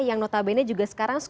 yang notabene juga sekitar jawa tengah